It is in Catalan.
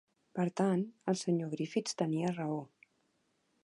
Per tant, el Sr. Griffiths tenia raó.